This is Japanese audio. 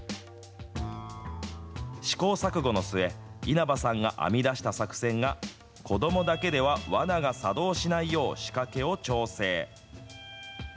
試行錯誤の末、稲葉さんが編み出した作戦が、子どもだけではわなが作動しないよう仕掛けを調整。